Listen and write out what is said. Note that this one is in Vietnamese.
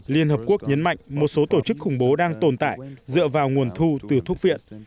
liên hợp quốc nhấn mạnh một số tổ chức khủng bố đang tồn tại dựa vào nguồn thu từ thuốc viện